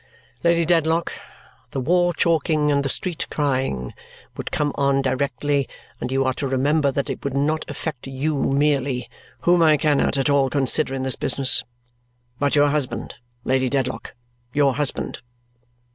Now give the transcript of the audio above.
Lady Dedlock, the wall chalking and the street crying would come on directly, and you are to remember that it would not affect you merely (whom I cannot at all consider in this business) but your husband, Lady Dedlock, your husband."